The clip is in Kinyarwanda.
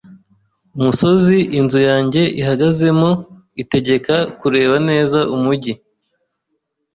Umusozi inzu yanjye ihagazemo itegeka kureba neza umujyi.